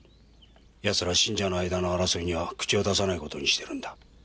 奴ら信者の間の争いには口を出さない事にしてるんだ。